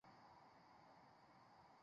是觉得我称王益州名不正言不顺吗？